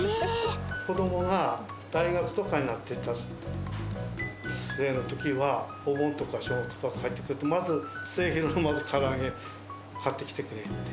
子どもが大学とかになってたときは、お盆とか正月とかに帰ってくると、まずすえひろのから揚げ買ってきてくれって。